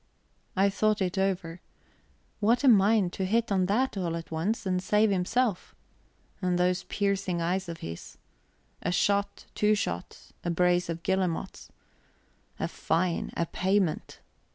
I thought it over. What a mind, to hit on that all at once, and save himself! And those piercing eyes of his. A shot, two shots, a brace of guillemots a fine, a payment.